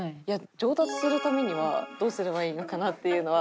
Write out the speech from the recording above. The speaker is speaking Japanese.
上達するためにはどうすればいいのかなっていうのは。